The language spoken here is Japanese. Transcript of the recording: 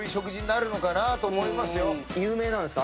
有名なんですか？